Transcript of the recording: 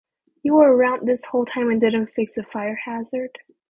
You were around this whole time and didn't fix the fire hazard?